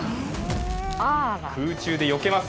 空中でよけます。